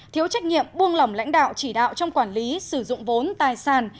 thiếu trách nhiệm buông lỏng lãnh đạo chỉ đạo trong quản lý sử dụng vốn tài sản